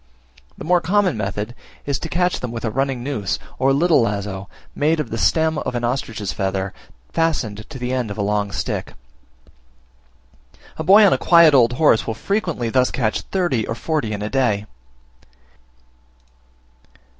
The more common method is to catch them with a running noose, or little lazo, made of the stem of an ostrich's feather, fastened to the end of a long stick. A boy on a quiet old horse will frequently thus catch thirty or forty in a day.